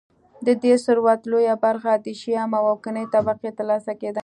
د دې ثروت لویه برخه د شیام او واکمنې طبقې ترلاسه کېده